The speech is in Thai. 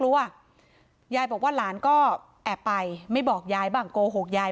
ยายบอกว่าหลานก็แอบไปไม่บอกยายบ้างโกหกยาย